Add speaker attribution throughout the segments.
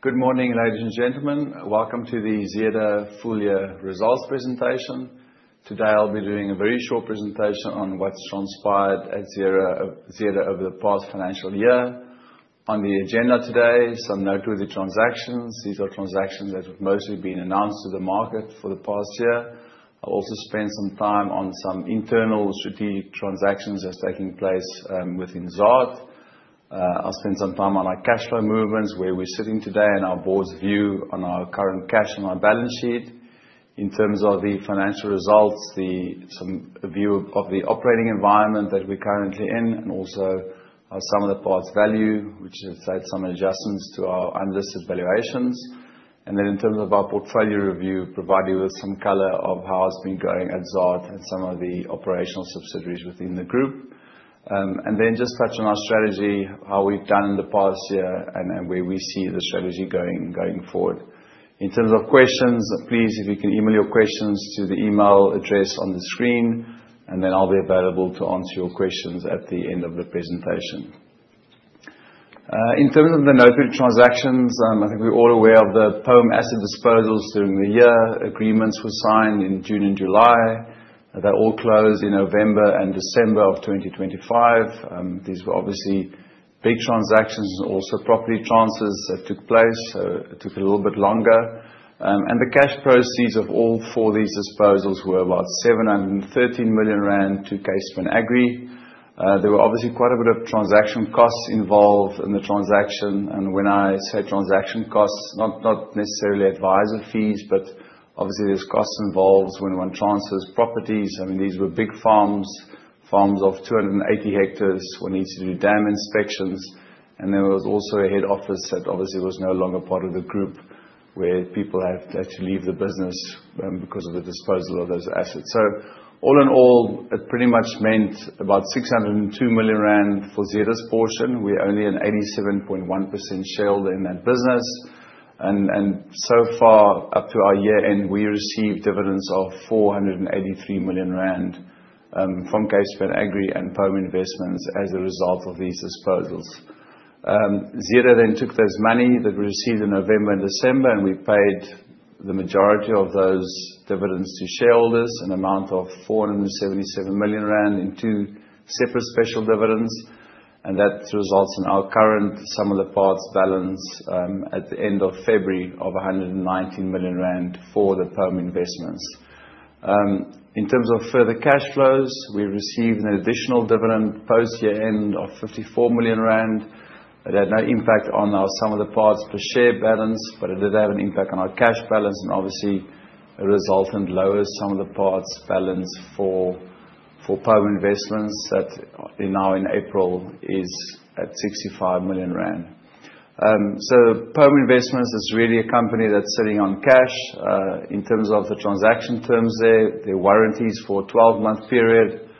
Speaker 1: Good morning, ladies and gentlemen. Welcome to the Zeder full-year results presentation. Today, I'll be doing a very short presentation on what's transpired at Zeder over the past financial year. On the agenda today, some noteworthy transactions. These are transactions that have mostly been announced to the market for the past year. I'll also spend some time on some internal strategic transactions that's taking place within Zaad. I'll spend some time on our cash flow movements, where we're sitting today, and our board's view on our current cash and our balance sheet. In terms of the financial results, a view of the operating environment that we're currently in, and also our sum of the parts value, which has had some adjustments to our unlisted valuations. In terms of our portfolio review, provide you with some color of how it's been going at Zaad and some of the operational subsidiaries within the group. Just touch on our strategy, how we've done in the past year, and where we see the strategy going forward. In terms of questions, please, if you can email your questions to the email address on the screen, and then I'll be available to answer your questions at the end of the presentation. In terms of the noteworthy transactions, I think we're all aware of the Pome asset disposals during the year. Agreements were signed in June and July. They all closed in November and December of 2025. These were obviously big transactions, also property transfers that took place, so it took a little bit longer. The cash proceeds of all four of these disposals were about 713 million rand to Kaap Agri. There were obviously quite a bit of transaction costs involved in the transaction. When I say transaction costs, not necessarily advisor fees, but obviously there's costs involved when one transfers properties. These were big farms of 280 hectares. One needs to do dam inspections. There was also a head office that obviously was no longer part of the group, where people had to actually leave the business because of the disposal of those assets. So all in all, it pretty much meant about 602 million rand for Zeder's portion. We're only an 87.1% shareholder in that business. So far, up to our year-end, we received dividends of 483 million rand from Kaap Agri and Pome Investments as a result of these disposals. Zeder took those money that we received in November and December, and we paid the majority of those dividends to shareholders, an amount of 477 million rand in two separate special dividends. That results in our current sum of the parts balance at the end of February of 119 million rand for the Pome Investments. In terms of further cash flows, we received an additional dividend post year-end of 54 million rand. It had no impact on our sum of the parts per share balance, but it did have an impact on our cash balance and obviously a resultant lower sum of the parts balance for Pome Investments that now in April is at 65 million rand. So Pome Investments is really a company that's sitting on cash. In terms of the transaction terms, there are warranties for a 12-month period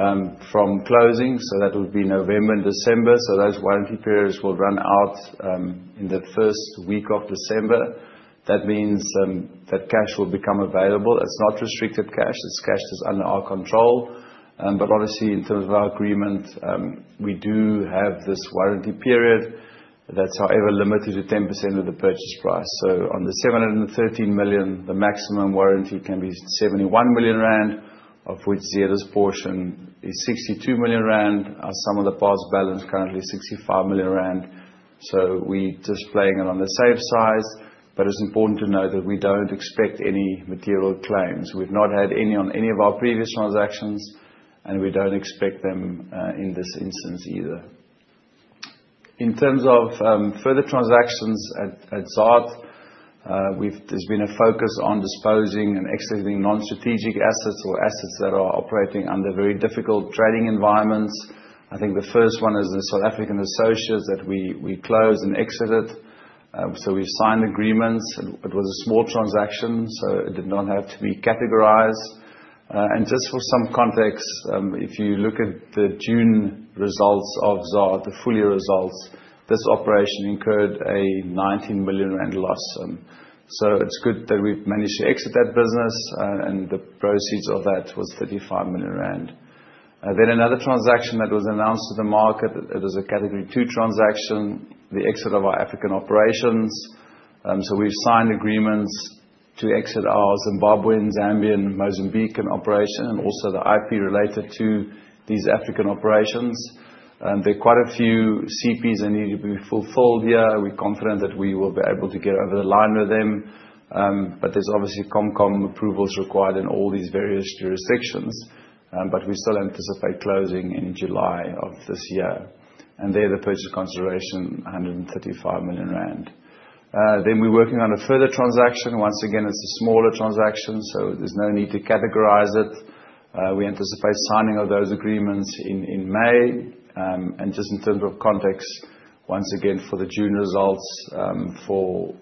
Speaker 1: from closing, so that would be November and December. Those warranty periods will run out in the first week of December. That means that cash will become available. It's not restricted cash. This cash is under our control. But obviously in terms of our agreement, we do have this warranty period that's however limited to 10% of the purchase price. On the 713 million, the maximum warranty can be 71 million rand, of which Zeder's portion is 62 million rand. Our sum of the parts balance currently is 65 million rand. We're just playing it on the safe side, but it's important to note that we don't expect any material claims. We've not had any on any of our previous transactions, and we don't expect them in this instance either. In terms of further transactions at Zaad, there's been a focus on disposing and exiting non-strategic assets or assets that are operating under very difficult trading environments. I think the first one is the South African Associates that we closed and exited. We've signed agreements. It was a small transaction, so it did not have to be categorized. Just for some context, if you look at the June results of Zaad, the full year results, this operation incurred a 19 million rand loss. It's good that we've managed to exit that business, and the proceeds of that was 35 million rand. Another transaction that was announced to the market, it was a Category 2 transaction, the exit of our African operations. We've signed agreements to exit our Zimbabwean, Zambian, Mozambican operation and also the IP related to these African operations. There are quite a few CPs that need to be fulfilled here. We're confident that we will be able to get over the line with them. There's obviously CompCom approvals required in all these various jurisdictions. We still anticipate closing in July of this year. There, the purchase consideration, 135 million rand. We're working on a further transaction. Once again, it's a smaller transaction, so there's no need to categorize it. We anticipate signing of those agreements in May. Just in terms of context, once again, for the June results for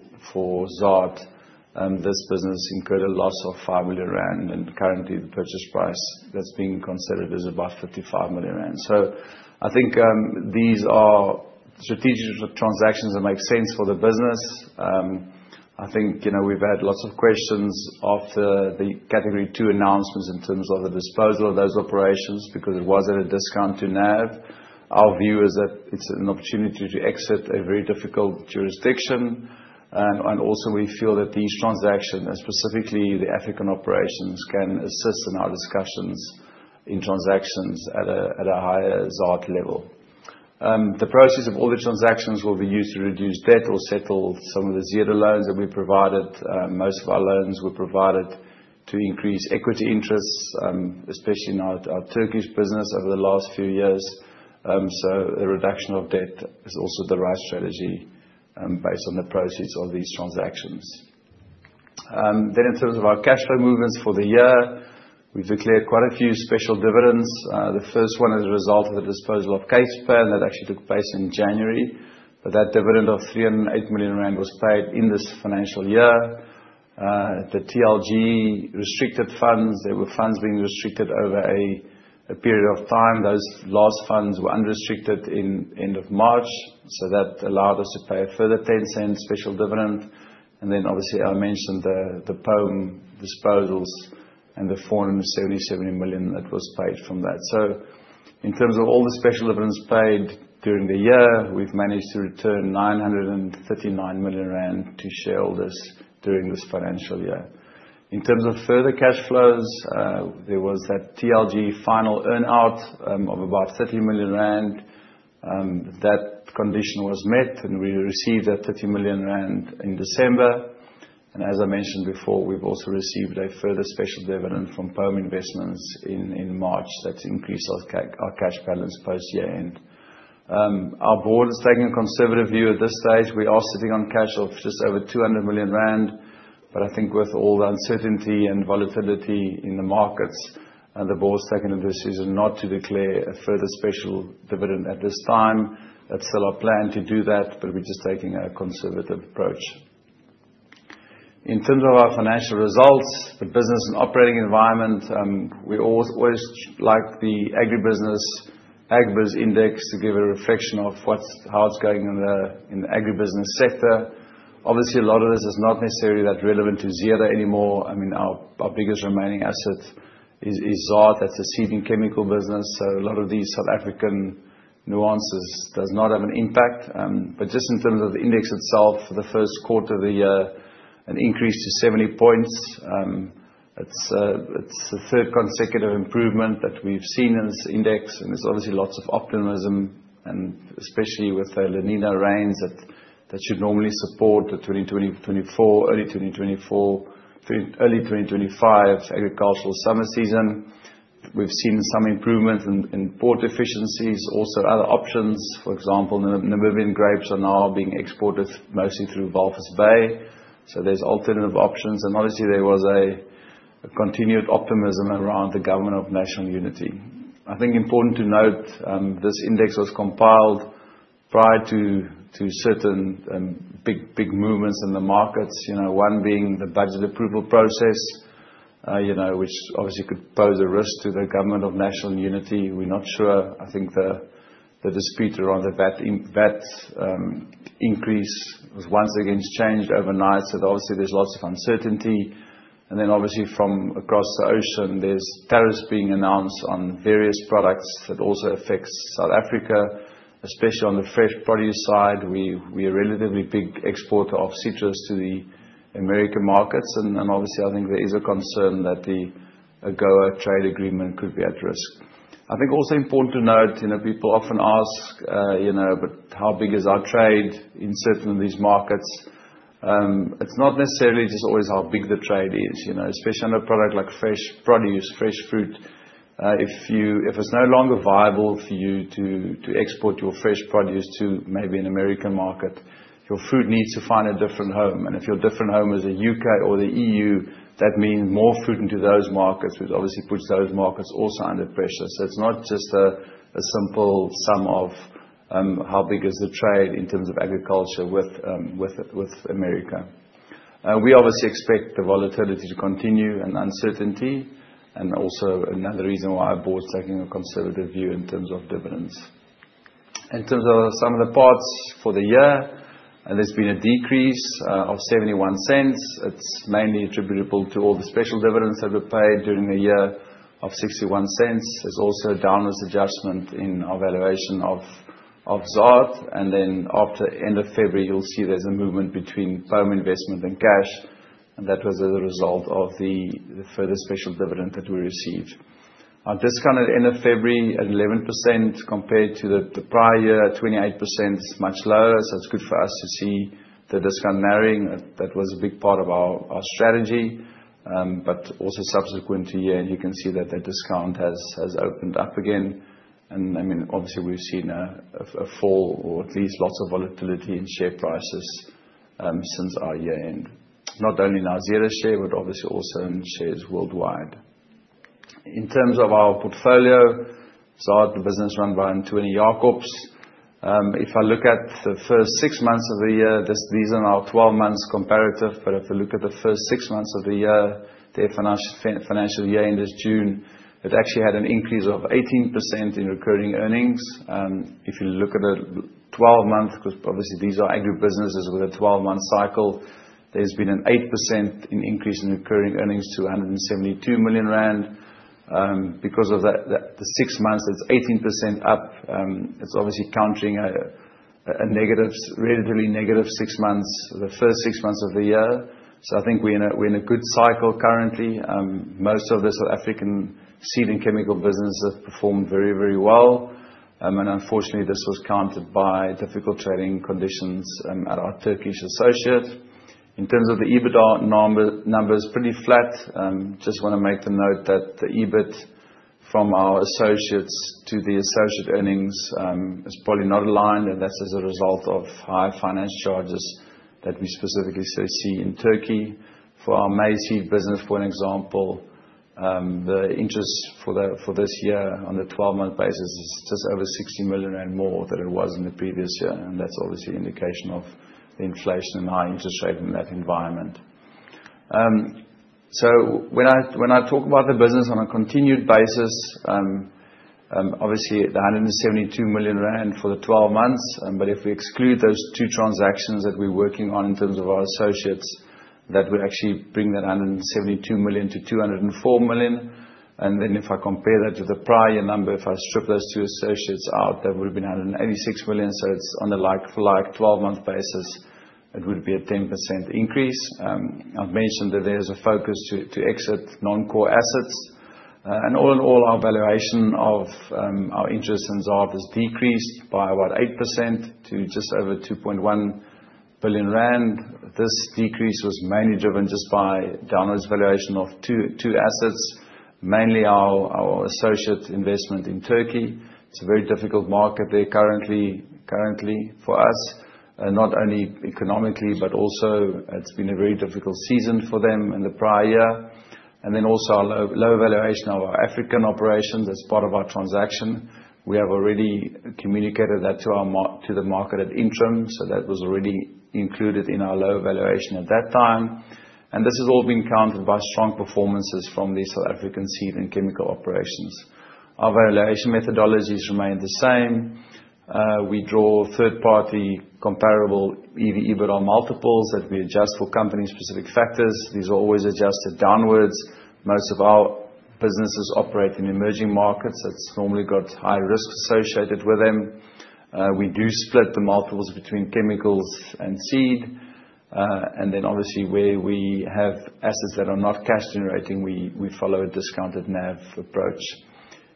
Speaker 1: Zaad, this business incurred a loss of 5 million rand, and currently the purchase price that's being considered is about 55 million rand. I think these are strategic transactions that make sense for the business. I think we've had lots of questions after the Category 2 announcements in terms of the disposal of those operations, because it was at a discount to NAV. Our view is that it's an opportunity to exit a very difficult jurisdiction. Also we feel that each transaction, and specifically the African operations, can assist in our discussions in transactions at a higher Zaad level. The proceeds of all the transactions will be used to reduce debt or settle some of the Zeder loans that we provided. Most of our loans were provided to increase equity interests, especially in our Turkish business over the last few years. The reduction of debt is also the right strategy, based on the proceeds of these transactions. In terms of our cash flow movements for the year, we've declared quite a few special dividends. The first one as a result of the disposal of Capespan. That actually took place in January. That dividend of 308 million rand was paid in this financial year. The TLG restricted funds. There were funds being restricted over a period of time. Those last funds were unrestricted in end of March. That allowed us to pay a further 0.10 special dividend. I mentioned the Pome disposals and the 477 million that was paid from that. In terms of all the special dividends paid during the year, we've managed to return 939 million rand to shareholders during this financial year. In terms of further cash flows, there was that TLG final earn-out of about 30 million rand. That condition was met. We received that 30 million rand in December. As I mentioned before, we've also received a further special dividend from Pome Investments in March that's increased our cash balance post year-end. Our board has taken a conservative view at this stage. We are sitting on cash of just over 200 million rand. I think with all the uncertainty and volatility in the markets, the board's taken a decision not to declare a further special dividend at this time. That's still our plan to do that, but we're just taking a conservative approach. In terms of our financial results, the business and operating environment, we always like the agribusiness Agbiz index to give a reflection of how it's going in the agribusiness sector. Obviously, a lot of this is not necessarily that relevant to Zeder anymore. Our biggest remaining asset is Zaad. That's a seeding chemical business. A lot of these South African nuances does not have an impact. Just in terms of the index itself, for the first quarter of the year, an increase to 70 points. It's the third consecutive improvement that we've seen in this index. There's obviously lots of optimism, especially with the La Niña rains that should normally support the early 2024, early 2025 agricultural summer season. We've seen some improvement in port efficiencies, also other options. Namibian grapes are now being exported mostly through Walvis Bay. There's alternative options. There was a continued optimism around the government of national unity. I think important to note, this index was compiled prior to certain big movements in the markets. One being the budget approval process, which obviously could pose a risk to the government of national unity. We're not sure. I think the dispute around the VAT increase was once again changed overnight. There's lots of uncertainty. From across the ocean, there's tariffs being announced on various products that also affects South Africa, especially on the fresh produce side. We're a relatively big exporter of citrus to the American markets. I think there is a concern that the AGOA trade agreement could be at risk. I think also important to note, people often ask, how big is our trade in certain of these markets? It's not necessarily just always how big the trade is, especially on a product like fresh produce, fresh fruit. If it's no longer viable for you to export your fresh produce to maybe an American market, your fruit needs to find a different home. If your different home is the U.K. or the E.U., that means more fruit into those markets, which obviously puts those markets also under pressure. It's not just a simple sum of the parts of how big is the trade in terms of agriculture with America. We obviously expect the volatility to continue, and uncertainty. Also another reason why our board's taking a conservative view in terms of dividends. In terms of sum of the parts for the year, there's been a decrease of 0.21. It's mainly attributable to all the special dividends that were paid during the year of 0.61. There's also a downward adjustment in our valuation of Zaad. Then after end of February, you'll see there's a movement between Pome Investments and cash, and that was as a result of the further special dividend that we received. Our discount at end of February at 11% compared to the prior year at 28%, much lower. It's good for us to see the discount narrowing. That was a big part of our strategy. Also subsequent to year-end, you can see that the discount has opened up again. Obviously we've seen a fall or at least lots of volatility in share prices since our year end. Not only in our Zeder share, but obviously also in shares worldwide. In terms of our portfolio, Zaad, the business run by Antoon Janse van Rensburg. If I look at the first six months of the year, these are now 12 months comparative, but if I look at the first six months of the year, their financial year end is June. It actually had an increase of 18% in recurring earnings. If you look at a 12 months, because obviously these are agri-businesses with a 12-month cycle. There's been an 8% increase in recurring earnings to 172 million rand. Because of the six months, it's 18% up. It's obviously countering a relatively negative six months, the first six months of the year. I think we're in a good cycle currently. Most of the South African Seed and Chemical businesses performed very well. Unfortunately, this was countered by difficult trading conditions at our Turkish associate. In terms of the EBITDA numbers, pretty flat. Just want to make the note that the EBIT from our associates to the associate earnings is probably not aligned, and that's as a result of high finance charges that we specifically see in Turkey. For our MAY Seed business, for example, the interest for this year on the 12-month basis is just over 60 million more than it was in the previous year, that's obviously an indication of the inflation and high interest rate in that environment. When I talk about the business on a continued basis, obviously the 172 million rand for the 12 months, but if we exclude those two transactions that we're working on in terms of our associates, that would actually bring that 172 million to 204 million. Then if I compare that to the prior number, if I strip those two associates out, that would have been 186 million. It's on a like 12-month basis, it would be a 10% increase. I've mentioned that there's a focus to exit non-core assets. All in all, our valuation of our interest in Zaad is decreased by 8% to just over 2.1 billion rand. This decrease was mainly driven just by downward valuation of two assets, mainly our associate investment in Turkey. It's a very difficult market there currently for us, not only economically, but also it's been a very difficult season for them in the prior. Also our low valuation of our African operations as part of our transaction. We have already communicated that to the market at interim. That was already included in our low valuation at that time. This has all been countered by strong performances from the South African Seed and Chemical operations. Our valuation methodologies remain the same. We draw third-party comparable EV/EBITDA multiples that we adjust for company specific factors. These are always adjusted downward. Most of our businesses operate in emerging markets, that's normally got high risk associated with them. We do split the multiples between chemicals and seed. Obviously, where we have assets that are not cash generating, we follow a discounted NAV approach.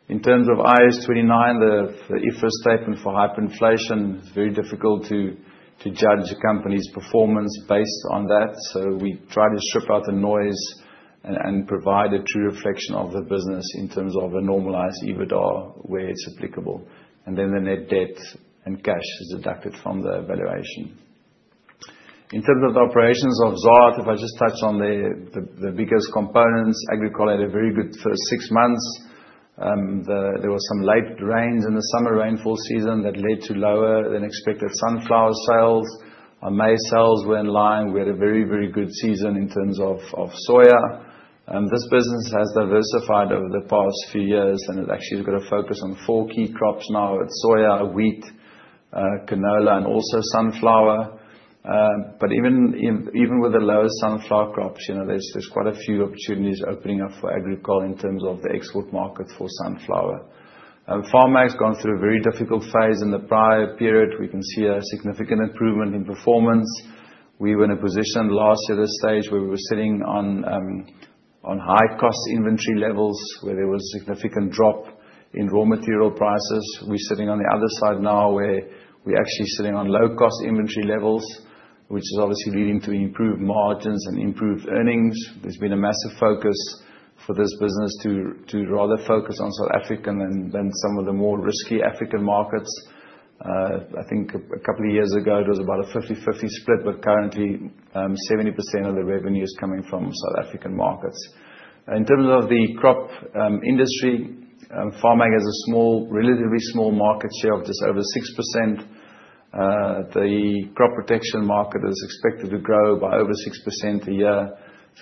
Speaker 1: In terms of IAS 29, the IFRS statement for hyperinflation, it's very difficult to judge a company's performance based on that. We try to strip out the noise and provide a true reflection of the business in terms of a normalized EBITDA where it's applicable. The net debt and cash is deducted from the valuation. In terms of the operations of Zaad, if I just touch on the biggest components, Agricol had a very good first six months. There was some late rains in the summer rainfall season that led to lower than expected sunflower sales. Our maize sales were in line. We had a very good season in terms of soya. This business has diversified over the past few years, and it actually has got a focus on four key crops now. It's soya, wheat, canola, and also sunflower. Even with the lower sunflower crops, there's quite a few opportunities opening up for Agricol in terms of the export market for sunflower. Farm-Ag has gone through a very difficult phase in the prior period. We can see a significant improvement in performance. We were in a position last year this stage where we were sitting on high-cost inventory levels, where there was a significant drop in raw material prices. We're sitting on the other side now where we're actually sitting on low-cost inventory levels, which is obviously leading to improved margins and improved earnings. There's been a massive focus for this business to rather focus on South African than some of the more risky African markets. I think a couple of years ago, it was about a 50/50 split, but currently 70% of the revenue is coming from South African markets. In terms of the crop industry, Farm-Ag has a relatively small market share of just over 6%. The crop protection market is expected to grow by over 6% a year.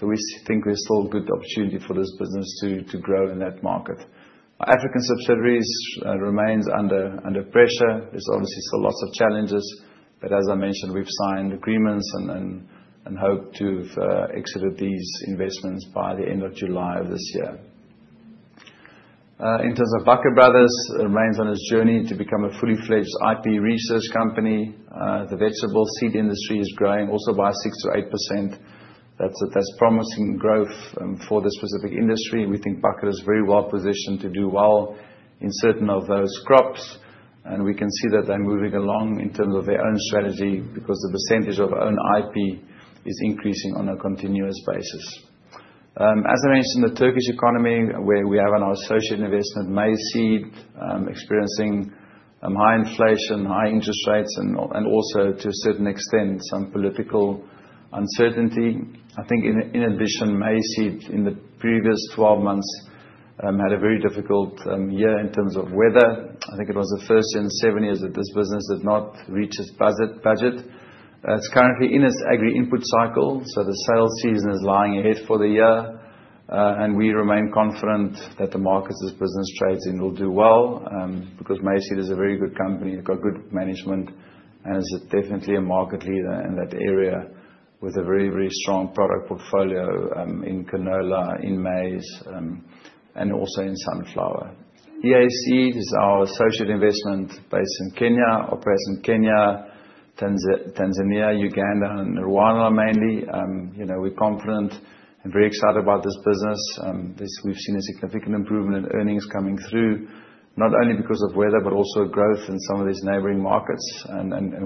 Speaker 1: We think there's still a good opportunity for this business to grow in that market. Our African subsidiaries remains under pressure. There's obviously still lots of challenges, but as I mentioned, we've signed agreements and hope to have exited these investments by the end of July of this year. In terms of Bakker Brothers, remains on its journey to become a fully fledged IP research company. The vegetable seed industry is growing also by 6%-8%. That's promising growth for this specific industry, and we think Bakker is very well positioned to do well in certain of those crops. We can see that they're moving along in terms of their own strategy because the percentage of own IP is increasing on a continuous basis. As I mentioned, the Turkish economy, where we have our associate investment, May Seed, experiencing high inflation, high interest rates, and also to a certain extent, some political uncertainty. I think in addition, May Seed in the previous 12 months, had a very difficult year in terms of weather. I think it was the first in 7 years that this business did not reach its budget. It's currently in its agri input cycle, the sales season is lying ahead for the year. We remain confident that the markets this business trades in will do well, because May Seed is a very good company. They've got good management, and it's definitely a market leader in that area with a very strong product portfolio, in canola, in maize, and also in sunflower. EAC is our associate investment based in Kenya, operates in Kenya, Tanzania, Uganda, and Rwanda, mainly. We're confident and very excited about this business. We've seen a significant improvement in earnings coming through, not only because of weather, but also growth in some of these neighboring markets.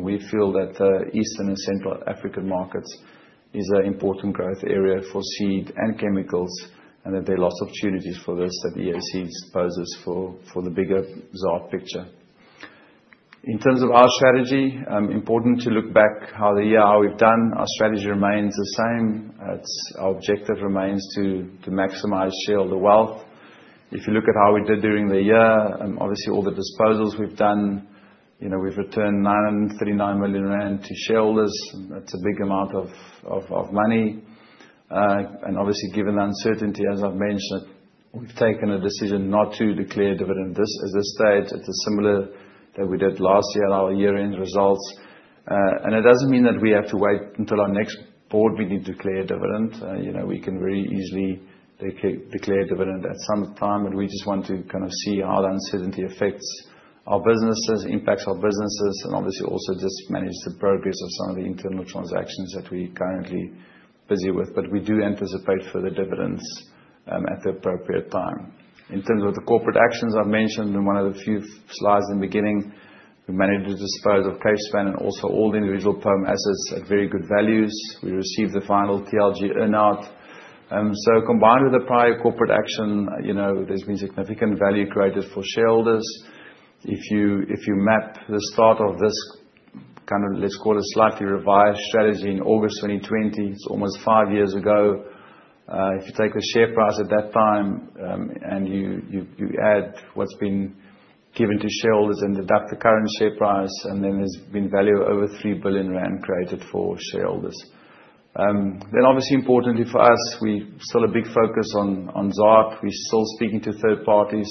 Speaker 1: We feel that Eastern and Central African markets is an important growth area for seed and chemicals, and that there are lots of opportunities for this, that EAC poses for the bigger ZAR picture. In terms of our strategy, important to look back how the year, how we've done. Our strategy remains the same. Our objective remains to maximize shareholder wealth. If you look at how we did during the year, and obviously all the disposals we've done, we've returned 939 million rand to shareholders. That's a big amount of money. Obviously given the uncertainty, as I've mentioned, we've taken a decision not to declare a dividend. This at this stage, it's similar that we did last year in our year-end results. It doesn't mean that we have to wait until our next board meeting to declare a dividend. We can very easily declare a dividend at some time, we just want to kind of see how the uncertainty affects our businesses, impacts our businesses, and obviously also just manage the progress of some of the internal transactions that we currently busy with. We do anticipate further dividends, at the appropriate time. In terms of the corporate actions I've mentioned in one of the few slides in the beginning, we managed to dispose of Capespan and also all the individual Pome assets at very good values. We received the final TLG earn-out. Combined with the prior corporate action, there's been significant value created for shareholders. If you map the start of this kind of, let's call it slightly revised strategy in August 2020, it's almost 5 years ago. If you take the share price at that time, you add what's been given to shareholders and deduct the current share price, there's been value of over 3 billion rand created for shareholders. Obviously importantly for us, we still a big focus on Zaad. We're still speaking to third parties.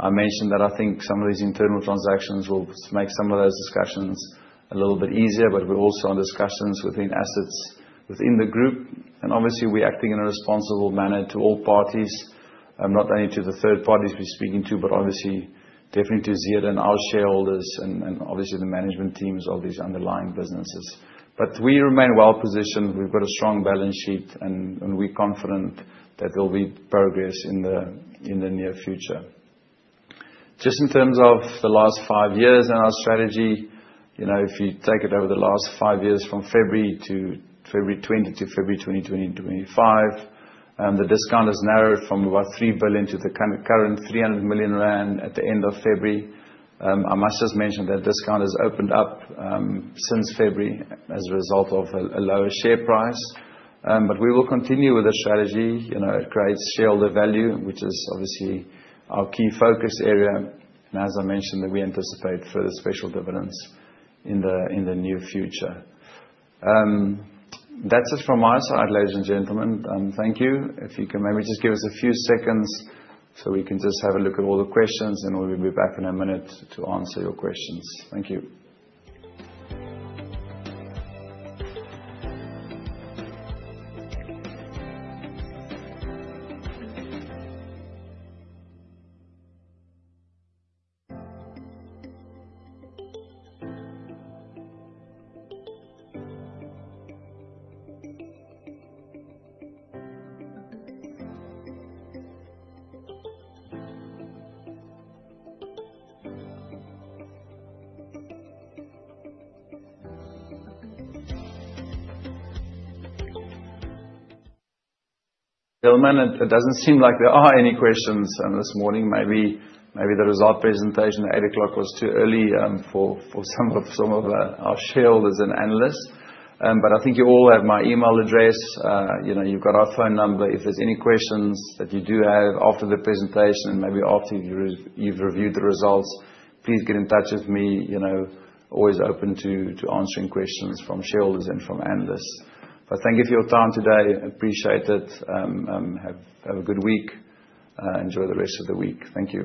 Speaker 1: I mentioned that I think some of these internal transactions will make some of those discussions a little bit easier, we're also in discussions within assets within the group, we're acting in a responsible manner to all parties. Not only to the third parties we're speaking to, definitely to Zeder and our shareholders the management teams, all these underlying businesses. We remain well-positioned. We've got a strong balance sheet, we're confident that there'll be progress in the near future. Just in terms of the last five years and our strategy, if you take it over the last five years from February 2020 to February 2025, the discount has narrowed from about 3 billion to the current 300 million rand at the end of February. I must just mention that discount has opened up, since February as a result of a lower share price. We will continue with the strategy. It creates shareholder value, which is obviously our key focus area. As I mentioned that we anticipate further special dividends in the near future. That's it from my side, ladies and gentlemen. Thank you. If you can maybe just give us a few seconds so we can just have a look at all the questions, we'll be back in a minute to answer your questions. Thank you. Gentlemen, it doesn't seem like there are any questions this morning. Maybe the result presentation at 8:00 A.M. was too early for some of our shareholders and analysts. I think you all have my email address. You've got our phone number. If there's any questions that you do have after the presentation, maybe after you've reviewed the results, please get in touch with me. Always open to answering questions from shareholders and from analysts. Thank you for your time today. Appreciate it. Have a good week. Enjoy the rest of the week. Thank you.